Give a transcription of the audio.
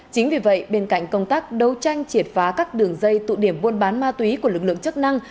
chính vì vậy bên cạnh công tác đấu tranh triệt phá các đường dây tụ điểm buôn bán ma túy của lực lượng chức năng